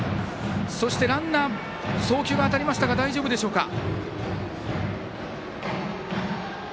そして、ランナー送球当たりましたが大丈夫でしょうか。